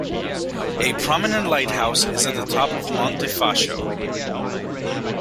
A prominent lighthouse is at the top of Monte Facho.